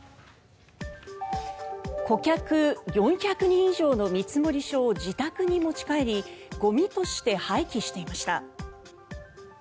顧客４００人以上の見積書を自宅に持ち帰りゴミとして廃棄していました。